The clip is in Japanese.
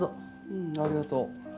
うんありがとう。